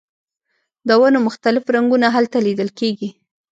د ونو مختلف رنګونه هلته لیدل کیږي